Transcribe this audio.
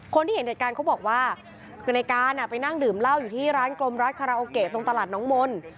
คนที่เห็นเหตุการณ์เขาบอกว่าคือในการไปนั่งดื่มเหล้าอยู่ที่ร้านกลมรัฐคาราโอเกะตรงตลาดน้องมนต์